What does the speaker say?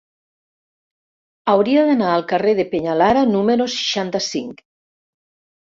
Hauria d'anar al carrer del Peñalara número seixanta-cinc.